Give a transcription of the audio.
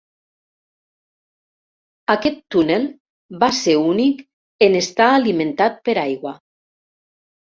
Aquest túnel va ser únic en estar alimentat per aigua.